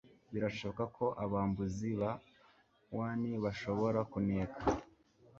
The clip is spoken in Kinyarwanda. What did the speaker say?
Birashoboka ko abambuzi ba wan bashobora kuneka